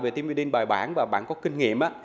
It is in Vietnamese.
về team building bài bản và bạn có kinh nghiệm